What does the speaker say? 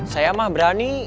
saya mah berani